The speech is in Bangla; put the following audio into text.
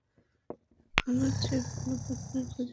আমার চেয়ে ভালো পার্টনার খুঁজে পাবে?